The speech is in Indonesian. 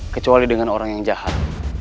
kecuali dengan orang yang jahat